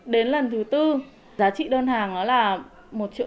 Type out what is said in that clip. đến lần thứ bốn giá trị đơn hàng là một triệu tám